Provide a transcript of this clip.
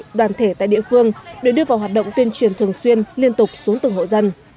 các đoàn thể tại địa phương đều đưa vào hoạt động tuyên truyền thường xuyên liên tục xuống từng hộ dân